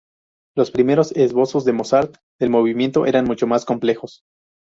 Los primeros esbozos de Mozart del movimiento eran mucho más complejos.